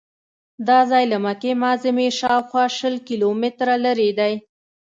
دا ځای له مکې معظمې شاوخوا شل کیلومتره لرې دی.